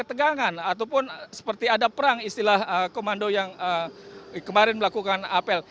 jadi ini adalah ketegangan ataupun seperti ada perang istilah komando yang kemarin melakukan apel